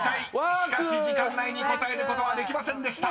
しかし時間内に答えることはできませんでした］